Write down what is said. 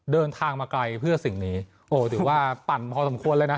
เดินทางมาไกลเพื่อสิ่งนี้โอ้ถือว่าปั่นพอสมควรเลยนะ